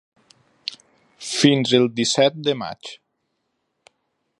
Fins al disset de maig.